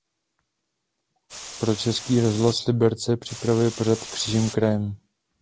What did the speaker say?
Pro Český rozhlas Liberec připravuje pořad "Křížem krajem"..